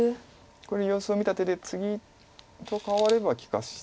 これ様子を見た手でツギと換われば利かし。